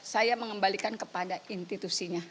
saya mengembalikan kepada intitusinya